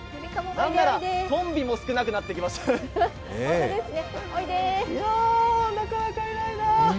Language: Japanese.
何ならとんびも少なくなってきましたね。